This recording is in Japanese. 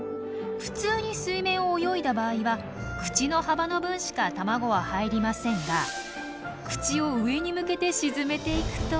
普通に水面を泳いだ場合は口の幅の分しか卵は入りませんが口を上に向けて沈めていくと。